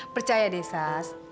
percaya deh sas